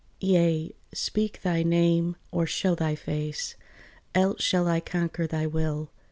"Yea, speak thy name or show thy face, Else shall I conquer thy will."